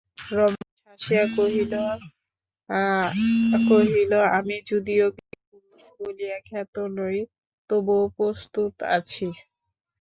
রমেশ হাসিয়া কহিল, আমি যদিও বীরপুরুষ বলিয়া খ্যাত নই, তবু প্রস্তুত আছি।